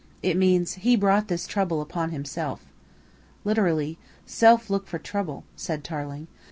It means 'He brought this trouble upon himself.'" "Literally, 'self look for trouble,'" said Tarling.